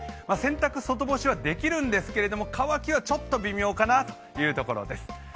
洗濯外干しはできるんですけれども乾きはちょっと微妙かなというところです。